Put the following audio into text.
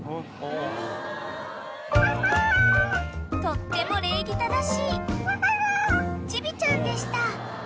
［とっても礼儀正しいチビちゃんでした］